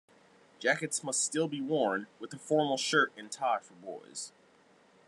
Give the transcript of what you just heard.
Jackets must still be worn, with a formal shirt and tie for boys.